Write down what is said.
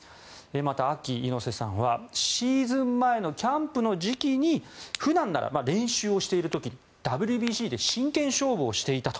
また、ＡＫＩ猪瀬さんはシーズン前のキャンプの時期に普段なら練習をしている時にＷＢＣで真剣勝負をしていたと。